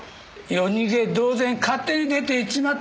夜逃げ同然勝手に出て行っちまったんだよ。